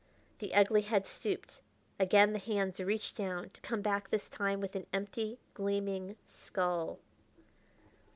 The ugly head stooped; again the hands reached down, to come back this time with an empty, gleaming skull.